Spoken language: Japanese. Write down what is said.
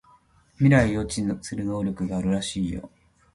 未来を予知する能力があるらしいよ